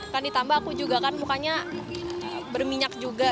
kan ditambah aku juga kan mukanya berminyak juga